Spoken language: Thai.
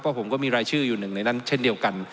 เพราะผมก็มีรายชื่ออยู่หนึ่งในนั้นเช่นเดียวกัน